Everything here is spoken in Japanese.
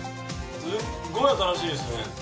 すっごい新しいですね。